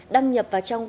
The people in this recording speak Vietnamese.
đăng nhập vào trang trọng